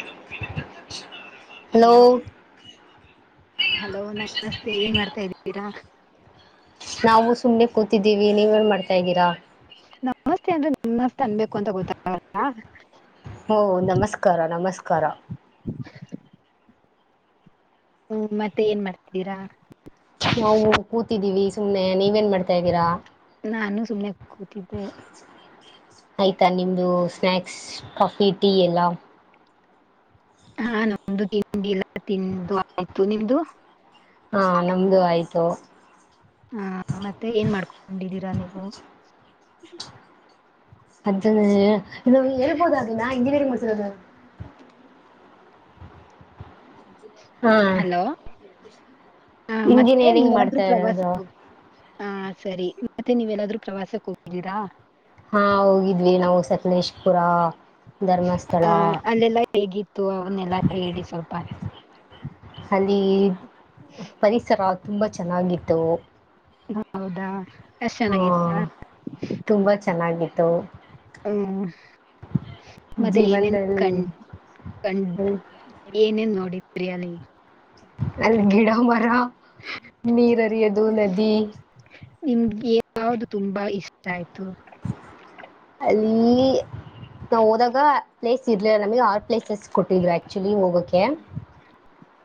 ಇದು ಇಂದ ತಕ್ಷ [unintelligible] ಹಲೋ ಹಲೋ ನಮಸ್ತೆ ಏನ್ ಮಾಡ್ತಾ ಇದ್ದೀರಾ. ನಾವು ಸುಮ್ನೆ ಕೂತಿದ್ದೀವಿ ನೀವು ಏನ್ ಮಾಡ್ತಾ ಇದ್ದೀರಾ. ನಮಸ್ತೆ ಅಂದ್ರೆ ನಮ್ಮಸ್ತೆ ಅನ್ಬೇಕು ಅಂತ ಗೊತ್ತಾಗಲ್ವ ಹಾ ಹೊ ನಮಸ್ಕಾರ ನಮಸ್ಕಾರ ಹ್ಮ ಮತ್ತೆ ಏನ್ ಮಾಡ್ತೀರಾ. ನಾವು ಕೂತಿದ್ದೀವಿ ಸುಮ್ನೆ ನೀವೇನ್ ಮಾಡ್ತಾ ಇದ್ದೀರಾ. ನಾನು ಸುಮ್ನೆ ಕೂತಿದ್ದೆ. ಆಯ್ತಾ ನಿಮ್ದ ಸ್ನ್ಯಾಕ್ಸ್ ಕಾಫಿ ಟೀ ಎಲ್ಲಾ ಹಾ ನಮ್ದ ತಿಂಡಿಲ್ಲ ತಿಂದು ಆಯ್ತು ನಿಮ್ದ. ಹಾ ನಮ್ದು ಆಯ್ತು. ಹಾ ಮತ್ತೆ ಏನ್ ಮಾಡ್ಕೊಂಡಿದ್ದೀರಾ ನೀವು. ಅದೇ ಇನ್ನು ಹೇಳ್ಬೋದು ಅದ ನಾ ಇಂಜಿನಿಯರಿಂಗ್ ಮಾಡ್ಸಿರೋದ. ಹಾ- ಹ ಮತ್ತೆ ಇಂಜಿನಿಯರಿಂಗ್ ನೀವಾದ್ರೂ ಮಾಡ್ತಾ ಪ್ರವಾಸ. ಇರೋದು ಹಾ ಸರಿ ಮತ್ತೆ ನೀವೆಲ್ಲಾದ್ರೂ ಪ್ರವಾಸಕ್ಕೆ ಹೋಗಿದ್ದೀರಾ. ಹಾಂ ಹೋಗಿದ್ವಿ ನಾವು ಸಕಲೇಶ್ಪುರ ಧರ್ಮಸ್ಥಳ. ಅಲ್ಲೆಲ್ಲ ಹೇಗಿತ್ತು ಅವನ್ನೆಲ್ಲಾ ಹೇಳಿ ಸ್ವಲ್ಪ. ಅಲ್ಲಿ ಪರಿಸರ ತುಂಬಾ ಚೆನ್ನಾಗಿತ್ತು. ಹೌದಾ ಎಷ್ಟ್ ಚೆನ್ನಾಗಿತ್ತ. ತುಂಬ ಚೆನ್ನಾಗಿತ್ತುವು. ಹ್ಮ ಮತ್ತೆ ಏನೇನ್ ಜೀವನದಲ್ಲಿ ಕ. ಹ್ಮ್ ಏನೇನ್ ನೋಡಿದ್ರರಿ ಅಲ್ಲಿ. ಅಲ್ಲಿ ಗಿಡ ಮರ ನೀರ್ ಹರಿಯೋದು ನದಿ. ನಿಮ್ಗೆ ಯಾವದು ತುಂಬಾ ಇಷ್ಟ ಆಯ್ತು. ಅಲ್ಲಿ ನಾ ಹೋದಾಗ ಪ್ಲೇಸ್ ಇರ್ಲಿಲ್ಲ ನಮಗೆ ಆರ್. ಪ್ಲೇಸಸ್ ಕೊಟ್ಟಿದರು ಆ್ಯಕ್ಚುಲಿ ಹೋಗಕ್ಕೆ.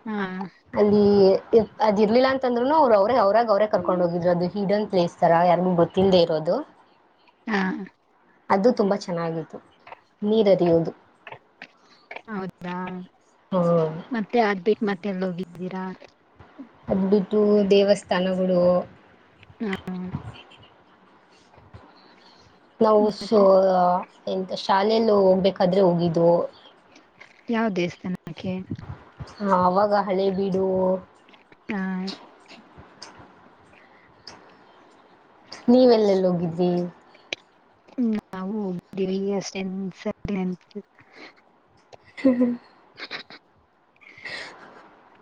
ಹಾ- ಅಲ್ಲಿ ಅದ ಇರ್ಲಿಲ್ಲ ಅಂತಂದ್ರುನು ಅವರು ಅವ್ರೇ ಅವರಾಗ ಅವರೇ ಕರ್ಕೊಂಡ್ ಹೋಗಿದ್ರು ಅದು ಹಿಡನ್ ಪ್ಲೇಸ್. ಸರ ಯಾರಿಗ ಗೊತ್ತಿಲ್ಲದೆೇ ಇರೋದು. ಹಾ- ಅದು ತುಂಬಾ ಚೆನ್ನಾಗಿತ್ತು. ನೀರರಿಯುವದು ಹೌದಾ ಹ್ಮ. ಮತ್ತೆ ಅದ್ಬಿಟ್ಟು ಮತ್ತೆಲ್ಲ ಹೋಗಿದ್ದೀರಾ. ಅದ್ಬಿತು ದೇವಸ್ಥಾನಗಳು. ಹಾ- ನಾವು ಸ ಎಂತ ಶಾಲೆಯಲ್ಲ ಹೋಗ್ಬೇಕಾದ್ರೆ ಹೋಗಿದ್ವು. ಯಾವ ದೇವಸ್ಥಾನಕೆ. ಆವಾಗ ಹಳೆ ಬಿಡು. ಆ- ನೀವೆ ಎಲ್ಲೆಲ್ಲಿ ಹೋಗಿದ್ರಿ. ನಾವು ಹೋಗಿದ್ದಿವವಿ ಅಷ್ಟೆ ಎನ್ಸ ಅಂತ. [unintelligible] [inaudible]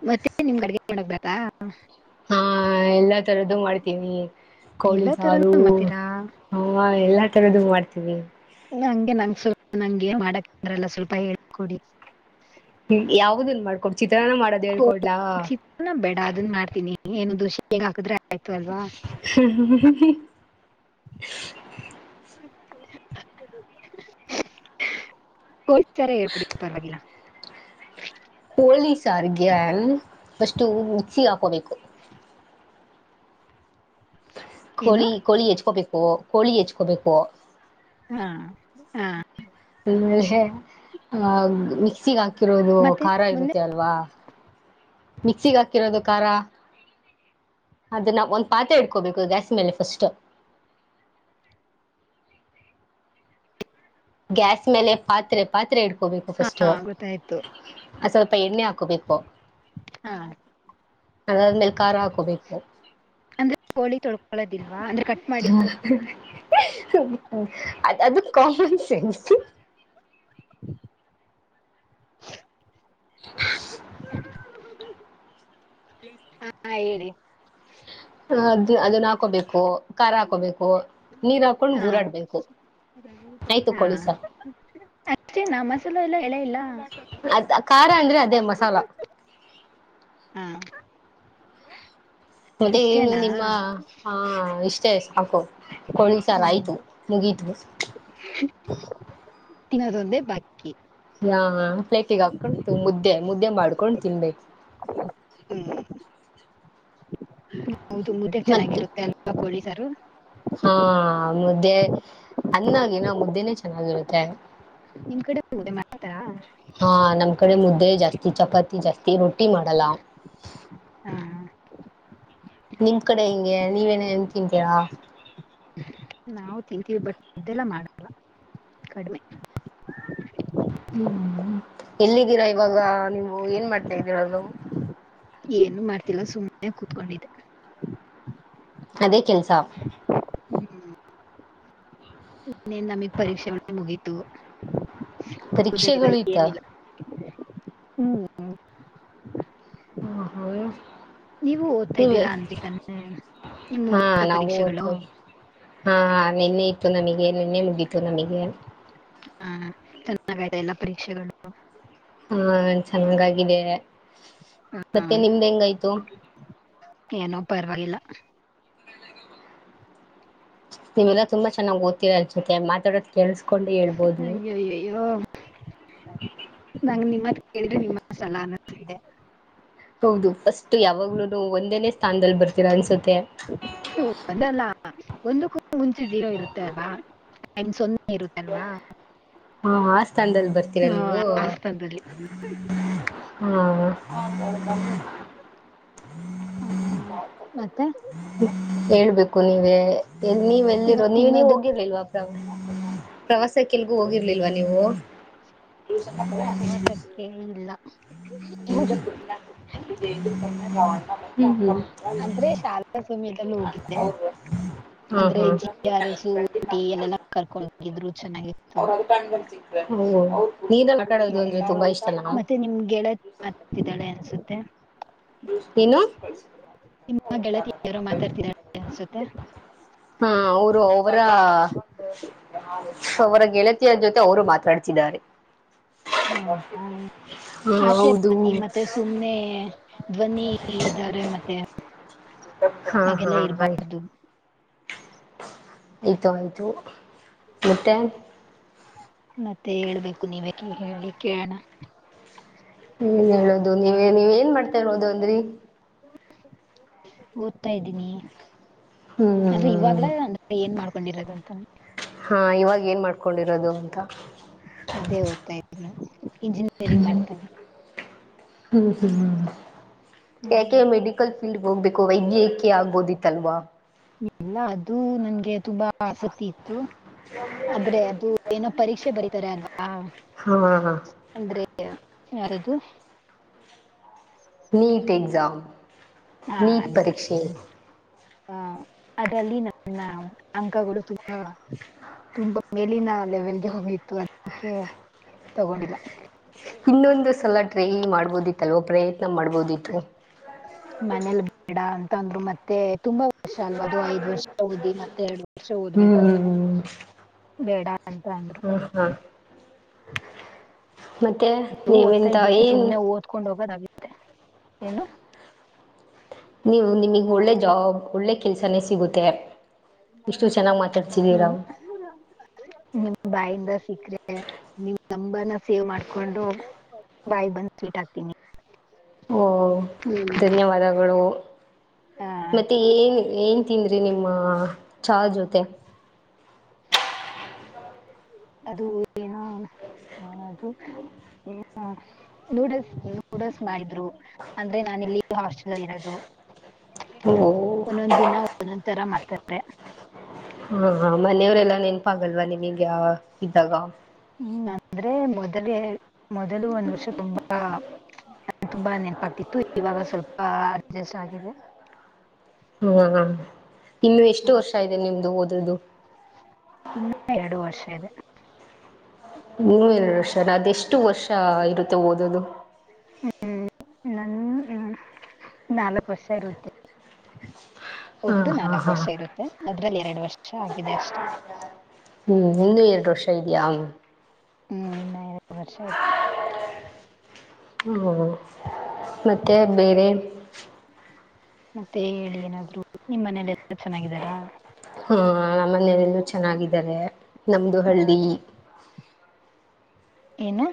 ಮತ್ತೆ ನಿಮ್ ಅಡುಗೆ ಮಾಡಕೆ ಬರುತ್ತಾ. ಹಾ ಎಲ್ಲಾ ತರದ್ದು ಮಾಡ್ತೀವಿ ಕೋಳಿ ಎಲ್ಲಾ ಸಾರು. ತರನು ಮಾಡ್ತೀರಾ? ಹಾ ಎಲ್ಲಾ ತರದ ಮಾಡ್ತೀವಿ. ಇಲ್ಲ ಹಂಗೆ ನಂಗ್ ಸ್ವಲ್ಪ ನಂಗೆ ಏನ್ ಮಾಡಕ್್ರಲ್ಲ ಸ್ವಲ್ಪ ಹೇಳಕೊಡಿ. ್ಮ ಯಾವ್ದನ್ ಮಾಡ್ಕೊು ಚಿತ್ರಾನ್ನ ಮಾಡೋದು್ ಹೇಳ್ಕೊಡ್ಲಾ. ನ ಬೇಡ ಅದನ್ ಮಾಡ್ತೀನಿ ಏನನು ದೋಷೆ ಹೇಗ್ ಹಾಕಿದ್ರೆ ಆಯ್ತು ಅಲ್ವಾ. ಹ್ಮ- ಅ- ಕೋಚರ ಹೇಳ್ಕಡಿ ಪರವಾಗಿಲ್ಲ. ಹೋಳಿ ಸಾರ್ಿಗೆ ಷ್ಟು ಮಿಚ್ಚಿ ಹಾಕೋಬೇಕು. [unintelligible] ಏನು? ಕೋಳಿ ಕೋಳಿ ಹೆಚ್ಕೋಬೇಕು ಕೋಳಿ ಹೆಚ್ಕೋಬೇಕು. ಹಾ ಹಾ ಆಮೇಲೆ ಆಹ ಮಿಕ್ಸಿಗ ಹಾಕಿರೋದು ಮತ್ತೆ ಖಾರ ಮುಂದೆ? ಇರುತ್ತೆ ಅಲ್ವಾ? ಮಿಕ್ಸಿಗ ಹಾಕಿರೋದು ಖಾರ. ಅದನ್ನ ಒಂದ ಪಾತ್ರೆ ಇಟ್ಕೋಬೇಕು ಗ್ಯಾಸ್ ಮೇಲೆ ಫಸ್ಟ್. ಗ್ಯಾಸ್ ಮೇಲೆ ಪಾತ್ರೆ ಪಾತ್ರೆ ಇಡ್ಕೋಬೇಕು ಫಸ್ಟೂ. ಹಾ ಗೊತ್ತಾಯ್ತು ಅ ಸ್ವಲ್ಪ ಎಣ್ಣೆ ಹಾಕೋಬೇಕು. ಹಾ ಅದಾದ್ಮೇಲ ಖಾರ ಹಾಕೋಬೇಕು. ಅಂದ್ರೆ ಕೋಳಿ ತೊಳ್ಕೊಳ್ಳೋದಿಲ್ವಾ ಅಂದ್ರೆ ಕಟ್ಟ ಅದ ಅದು ಕಾಮನ್ ಸೆನ್ಸ್ [unintelligible] [unintelligible] ಹಾ ಹೇಳಿ. ಅ ಅದು ಅದನ್ನ ಹಾಕೋಬೇಕು ಖಾರ ಹಾಕೋಬೇಕು. ನೀರ್ ಹಾಕೊಂಡ ಹಾ ಗುರಾಡ್ಬೇಕು ಆಯ್ತು ಕೋಳಿ ಸಾರ್. ಅಷ್ಟೇನ ಮಸಾಲ ಎಲ್ಲಾ ಹೇಳೆ ಇಲ್ಲ. ಅದ ಖಾರ ಅಂದ್ರೆ ಅದೇ ಮಸಾಲಾ. ಹಾ [unintelligible] ದೇ ಏನು ಇಷ್ಟೇನಾ ನಿಮ್ಮ ಹಾ ಇಷ್ಟೇ ಸಾಕು ಕೊಳಿ ಸಾರ್ ಹ್ಮ್ ಆಯ್ತು ಮುಗೀತು. ತಿನ್ನೋದೊಂದೇ ಬಾಕಿ. ಹಾ ಪ್ಲೇಟಿಗ ಹಾಕೊಂಡ ಮುದ್ದೆ ಮುದ್ದೆ ಮಾಡ್ಕೊಂಡ ತಿನ್ಬೇಕು. ಹ್ಮ್ ಹೌದು ಮುದ್ದೆಗ ಮತ್ತೆ ಚೆನ್ನಾಗಿರುತ್ತೆ ಅಲ್ ಕೋಳಿ ಸಾರು. ಹಾ ಮುದ್ದೆ ಅನ್ನಾಗಿನ ಮುದ್ದೆನೆ ಚೆನ್ನಾಗಿರುತ್ತೆ. ನಿಮ್ ಕಡೆ ಮುದ್ದೆ ಮಾಡ್ತರಾ? ಹಾ ನಮ್ಮ್ ಕಡೆ ಮುದ್ದೇ ಜಾಸ್ತಿ ಚಪಾತಿ ಜಾಸ್ತಿ ರೊಟ್ಟಿ ಮಾಡಲ್ಲ. ಹಾ ನಿಮ್ ಕಡೆ ಹೆಂಗೆ ನೀವ ಏನೆನ್ ತಿಂತೀರಾ? ನಾವು ತಿಂತೀವಿ ಬಟ್ ಅದೆಲ್ಲ ಮಾಡಲ್ಲ. ಕಡ್ಮೆ. ಹ್ಮ್ ಎಲ್ಲಿದ್ದೀರಾ ಇವಾಗ ನೀವು ಏನ್ ಮಾಡ್ತಾ ಇದಿರೋದು. ಏನು ಮಾಡ್ತಿಲ್ಲ ಸುಮ್ಮ್ನೆ ಕೂತ್ಕೊಂಡಿದ್ದೆ. ಅದೇ ಕೆಲಸ. ಇನ್ನೇನ್ ನಮಗ್ ಪರೀಕ್ಷೆ ಮುಗೀತು ಓದದಿಲ್ಲ ಪರೀಕ್ಷೆಗಳು ಇತ್ತ ಏನಿಲ್ಲ. ಹ್ಮ್ [unintelligible] ನೀವು [unintelligible] ಓದ್ತಾ ನೀವ ಇದ್ದೀರಾ ಅಂದ್ರಿ ತಾನೇ ನಿಮ್ ಹಾ ಮುಗೀತಾ ನಾವೂ ಪರೀಕ್ಷೆಗಳು ಓದ್ತಾ ಇದೀವಿ. ಹಾ ನೆನ್ನೆ ಇತ್ತು ನಮಗೆ ನೆನ್ನೆ ಮುಗಿತೂ ನಮಗೆ. ಹಾ ಚೆನ್ನಾಗಾಯ್ತ ಎಲ್ಲಾ ಪರೀಕ್ಷೆಗಳು? ಹಾ ಚೆನ್ನಾಗಾಗಿದೆ ಮತ್ತೆ ನಿಮ್ದ್ ಹೆಂಗಾಯ್ತು? ಏನೋ ಪರವಾಗಿಲ್ಲ. ನೀವೆಲ್ಲ ತಂಬ ಚೆನ್ನಾಗ್ ಓತ್ತಿರ ಅನ್ನ್ಸುತ್ತೆ ಮಾತಾಡೋ ಅಯ್ಯಯ್ಯ ಅಯ್ಯೋ. ನಂ ನಿಮ್ಮ ಮಾತ್ ಕೇಳಿದ್ರೆ ನಿಮ್ಮ ಸಲ ಅನ್ನಿಸ್ತಿದೆ. ಹೌದು ಫಸ್ಟ್ ಯಾವಾಗ್ಲೂನು ಒಂದೇನೇ ಸ್ಥಾನದಲ್ಲಿ ಬರ್ತೀರಾ ಅನ್ಸುತ್ತೆ. ಒ ಅಲ್ಲಾಲ್ಲ ಒಂದಕ್ಕೂ ಮುಂಚೆ ಜೀರೊ ಇರುತ್ತೆ ಅಲ್ವ. [inaudible] ಹಾ ಆ ಸ್ಥಾನದಲ್ಲಿ ಬರ್ತೀರಾ ನೀವು. ಆ ಸ್ಥಳದಲ್ಲಿ ಹಾ- ಹ್ಮ ಮತ್ತೆ. ಹೇಳ್ಬೇಕು ನೀವೇ ಎ ನೀವ್ ಎಲ್ಲಿರೋ ಇವಾಗ ನೀವ ನೀವ ತಿನ್ನೋದಕ್ ಹೋಗಿರ್ರಲ್ವಾ. ಪ್ರವಾಸಕ್ಕೆಲ್ಗೂ ಹೋಗಿರ್ಲಿಲ್ವಾ ನೀವು. ಪ್ರವಾಸಕ್ಕೆ ಇನ್ನು ಇಲ್ಲ. ಹ್ಮ ಹ್ಮ್- ಅಂದ್ರೆ ಶಾಲಾ ಸಮಯದಲ್ಲಿ ಹೋಗಿದ್ದೆ ಅಂದ್ರೆ. ಕೆ ಆರ್ ಎಸು ಊಟಿ ಎಲ್ಲಲ್ಲೊ ಕರ್ಕೊಂಡು ಹೋಗಿದ್ರು ಚೆನ್ನಾಗಿ. [inaudible] ಹ್ಮ್ ಮತ್ತೆ ನಿಮ್ ಗೆಳೆತಿ ಮರತಿದ್ದಾಳೆ ಅನ್ಸುತ್ತೆ. ಏನೊ. ನಿಮ್ಮ ಗೆಳತಿ ಯಾರೋ ಮಾತಾಡ್ತಿದರೆ ಅನ್ಸುತ್ತೆ. ಹಾ ಅವರು ಅವರ. ಅವರ ಗೆಳತಿಯ ಜೊತೆ ಅವರು ಮಾತಾಡ್ತಿದ್ದಾರೆ. ಹೌದಾ ಹಾ ಆಚೆ ಹೌದು. ಬನ್ನಿ ಮತ್ತೆ ಸುಮ್ನೆ ಧ್ವನಿ ಇದ್ದಾರೆ ಮತ್ತೆ ಹಾ ಹಾ ಹಾಗೆಲ್ಲ ಇರಬಾರ್ದ. ಆಯ್ತು [unintelligible] ಆಯತು ಆಯಿತು ಮತ್ತೆ. ಮತ್ತೆ ಹೇಳ್ಬೇಕು ನೀವೆ ಕೆ ಹೇಳಿ ಕೇಳೋಣ. ಹ್ಮ ಹೇಳುದು ನೀವ ನೀವ್ ಏನ್ ಮಾಡ್ತಾ ಇರ್ರೋದು ಅಂದ್ರಿ. ಓದ್ತಾ ಇದ್ದೀನಿ ಅದ್ರೆ ಹ್ಮ್ ಇವಾಗ್ಲ. ಏನ್ ಮಾಡ್ಕೊಂಡಿರದು ಅಂತಾನ. ಹಾಂ ಇವಾಗ ಏನು ಮಾಡ್ಕೊಂಡಿರೋದು ಅಂತ. ಅದೇ ಓದ್ತಾ ಇದ್ ಇಂಜಿನಿಯರಿಂಗ್ ಮಾಡ್ತಾ. ಹ್ಮ್ ಹ್ಮ್ ಏಕೆ ಹ್ಮ್. ಮೆಡಿ. ಫೀಲ್ಡ್ಗೆ ಹೋಗ್ಬೇಕು ವೈದ್ಯಕಿಯ ಆಗ್ಬೋದಿತ್ತಲ್ವಾ. ಎಲ್ಲ ಅದು ನನ್ಗೆ ತುಂಬಾ ಆಸಕ್ತಿ ಇತ್ತು ಆದ್ರೆ ಅದು. ಏನೋ ಪರೀಕ್ಷೆ ಬರೀತಾರೆ ಅಲ್ವಾ. ಹಾ ಹಾ- ಅಂದ್ರೆ ಯಾರದು. NEET exam. ಹಾ ನೀಟ್ ಅದ. ಪರೀಕ್ಷೆ ಆ ಅದರಲ್ಲಿ ನನ್ನ ಅಂಕಗಳು ತುಂಬಾ.. ತುಂಬಾ ಮೇಲಿನ ಲೆವೆಲ್ಗೆ ಹೋಗಿತ್ತು ಅದಕ್ಕೆ ತಗೊಂಡಿಲ್ಲ. ಇನ್ನೊಂದು ಸಲ ಟ್ರೈ ಮಾಡ್ಬೋದಿತ್ತಲ್ವ ಪ್ರಯತ್ನ ಮಾಡ್ಬೋದಿತ್ತು. [unintelligible] [unintelligible] ಮನೇಲಿ ಬೇಡ ಅಂತ ಅಂದ್ರರು ಮತ್ತೆ ತುಂಬಾ ವರ್ಷ ಅಲ್ವಾದು ಐದ್ ವರ್ಷ ಓದಿ ಮತ್ತೆ ಎರಡು. ವರ್ಷ ಓದ್ಬೇಕಂತೆ ಹ್ಮ್ ಬೇಡ ಅಂತ ಅಂದ್ರು. ಹಾ ಹಾ- ಮತ್ತೆ ಇ ಓದ್ತಾ ನೀವೆಂತ ಇದ್ದೀನಿ ಏನ್ ಸುಮನೆ ಓದ್ಕೊಂಡ್ ಹೋಗೋದಾಗುತ್ತೆ ಏನು. ನೀವು ನಿಮಗ್ ಒಳ್ಳೆ ಜಾಬ್ ಒಳ್ಳೆ ಕೆಲ್ಸನೇ ಸಿಗುತ್ತೆ. ಇಷ್ಟು ಚೆನ್ನಾಗಿ್ ಮಾತಾಡ್ ಸಿದೀರಾವು. ನಿಮ ಬಾಯಿಂದ ಸಿಕ್ಕ್ರೆ ನೀವು್ ತಂಬನ ಸೇವ್ ಮಾಡ್ಕೊಂಡು. ಬಾಯ್ ಬಂದ್ ಸ್ವೀಟ್ ಹಾಕ್ತೀನಿ. ಓ ಧನ್ಯವಾದಗಳು. ಆ, ಮತ್ತ ಏನ್ ಏನ್ ತಿಂದ್ರಿ ನಿಮ್ಮ ಚಾರ್ ಜೊತೆ. ಅದು ಏನ ಏನದು. ಹ್ಮ ನೂಡಲ್ಸ್ ನೂಡಲ್ಸ್ ಮಾಡಿದ್ರು ಅಂದ್ರೆ ನಾನ ಇಲ್ಲಿ ಹಾಸ್ಟೆಲ್ ಇರೋದು. ಓ ಒಂದೊಂದ್ ದಿನ ಒಂದೊಂದ್ ತರ ಮಾಡ್ತಾರೆ. ಹಾ ಹಾ ಮನೆಯವರೆಲ್ಲ ನೆನಪಾಗಲ್ವಾ ನಿಮಗೆ ಇದ್ದಾಗ. ಹ್ಮ್ ನಂದ್ರೆ ಮೊದಲೇ ಮೊದಲು ಒಂದ್ ವರ್ಷ ತುಂಬಾ. ನ ತುಂಬಾ ನೆನಪಾಗ್ತಿತ್ತು ಇವಾಗ ಸ್ವಲ್ಪ ಅಡ್ಜಸ್ಟ್ ಆಗಿದೆ. ಹಾ ಇನ್ನು ಎಷ್ಟು ವರ್ಷ ಇದೆ ನಿಮ್ದು ಓದುದು. ಇನ್ನ ಎರಡು ವರ್ಷ ಇದೆ. ನೂರ ಎರಡು ವರ್ಷ ಅದೆಷ್ಟು ವರ್ಷ ಇರುತ್ತೆ ಓದೋದು. ನನ್ ನಾಲ್ಕು ವರ್ಷ ಇರುತ್ತೆ. ಹಾ ಒಟ್ಟು ಹಾ ನಾಲ್ಕ್ ಹಾ ವರ್ಷ ಇರುತ್ತೆ ಅದ್ರಲ್ಲಿ ಎರಡು ವರ್ಷ ಆಗಿದೆ ಅಷ್ಟೆ. ಹ್ಞೂ ಇನ್ನೂ ಎರಡು ವರ್ಷ ಇದೆಯಾ. ಹ್ಮ್ ಇನ್ನ ಎರಡು ವರ್ಷ ಆಯ್ತು. ಹ್ಞ ಮತ್ತು ಬೇರೆ. ಮತ್ತೆ ಹೇಳಿ ಏನಾದ್ರು ನಿಮ್ ಮನೆಯಲ್ಲಿ ಎಲ್ಲಾ ಚೆನ್ನಾಗಿದ್ದಾರಾ. ಹಾ ನಮ್ಮ ಮನೆಯಲೆಲ್ಲೂ ಚೆನ್ನಾಗಿದ್ದಾರೆ ನಮ್ದು ಆ, ಹಳ್ಳಿ. ಏನು.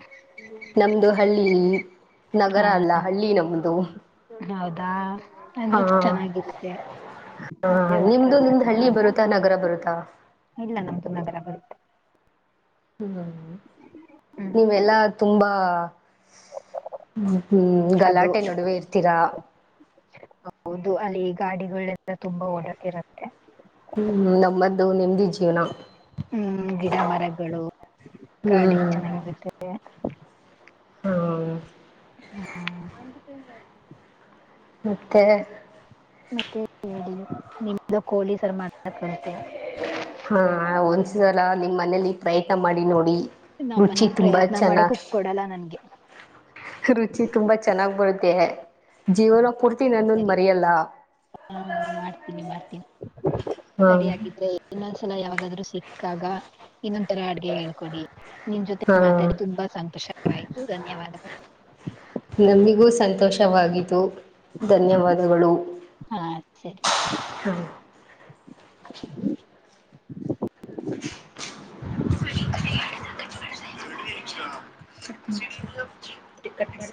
ನಮದು ಹಳ್ಳಿ ನಗರ ಆ, ಅಲ್ಲ ಹಳ್ಳಿ ನಮದು. ಹೌದಾ ಅಂದ್ರರು ಚೆನ್ನಾಗಿರುತ್ತೆ. ಹಾ ೆ ಒಥರ ನಿಮ್ದು ನಿಮ್ದ್ ಚಂದ ಹಳ್ಳಿ ಅಲ್ವಾ ಬರುತ್ತಾ ನಗರ ಬರುತ್ತಾ ಇಲ್ಲ ನಮ್ದು ನಗರಗಳು. ಹ್ಮ್ ಹ್ಮ್ ನೀವೆಲ್ಲಾ ತುಂಬಾ ಹ್ಮ್. ಅದು ಗಲಾಟೆ ನಡುವೆ ಇರ್ತೀರಾ. ಹೌದು ಅಲ್ಲಿ ಗಾಡಿಗಳೆಲ್ಲ ತುಂಬಾ ಓಡಾ ಇರುತ್ತೆ. ಹ್ಮ್ ನಮ್ಮ್ದು ನೆಮದಿ ಜೀವನ. ಗಾಡಿ ಹ್ಮ್ ಚೆನ್ನಾಗಿರುತ್ತೆ. ಹ್ಮ- ಹಾ- ಮತ್ತೆ. ಮತ್ತೆ ಹೇಳ ನಿಮ್ದು ಕೋಳಿ ಸರ್ ಮಾಡತಂತೆ. ಹಾ ಒಂದ್ ಸಲ ನಿಮ್ಮ್ ಮನಲಿ ಪ್ರಯತ್ನ ಮಾಡಿ ನೋಡಿ. ನಮ್ಮ್ ರುಚಿ ಮನೇಲಿ ತುಂಬಾ ಪ್ರಯತ್ನ ಮಾಡೋಕ್ ಚೆನ್ನಾಗ್ ಕುಕ್ಕ ಕೊಡಲ್ಲ ನನ್ಗೆ. ರುಚಿ ತುಂಬಾ ಚೆನ್ನಾಗ್ ಬರುತ್ತೆ. ಜೀವನ ಪೂರ್ತಿ ನ್ನನ್ ಮರ್ಯಲ್ಲ. ಹಾ ಮಾಡ್ತೀನಿ ಮಾಡ್ತೀನಿ ಹಾ ಸರಿಯಿದ್ರೆ. ಇನ್ನೊಂದ್ಸಲ ಯಾವಾಗಾದ್ರು ಸಿಕ್ಕಾಗ. ಇನ್ನೊಂದ ತರ ಅಡ್ಗೆ ಹೇಳ್ಕೊಡಿ ನಿಮ್ ಜೊತೆ ಹಾ ಮಾತಾಡಿ ತುಂಬಾ ಸಂತೋಷವಾಯ್ತು ಧನ್ಯವಾದಗಳು. ನಮಿಗೂ ಸಂತೋಷವಿತು ಧನ್ಯವಾದಗಳು. ಹಾ ಸರಿ ಹ್ಮ [unintelligible]